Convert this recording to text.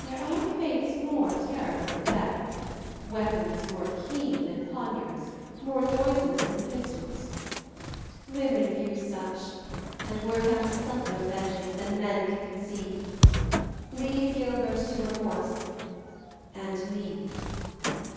There are fates more terrible than death; weapons more keen than poniards, more noiseless than pistols. Women use such, and work out a subtler vengeance than men can conceive. Leave Gilbert to remorse and me."